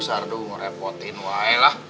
sardung ngerepotin waelah